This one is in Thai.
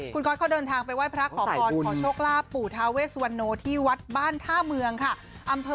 คุณก็อตและดีกว่าอ่าพันปีที่หรอกขอค่ะค่ะ